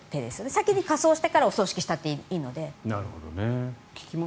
先に火葬してからお葬式したっていいので。